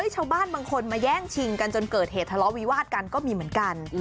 ชาวบ้านบางคนมาแย่งชิงกันจนเกิดเหตุทะเลาะวิวาดกันก็มีเหมือนกัน